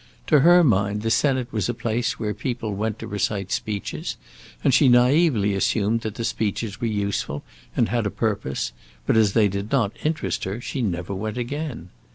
To her mind the Senate was a place where people went to recite speeches, and she naively assumed that the speeches were useful and had a purpose, but as they did not interest her she never went again.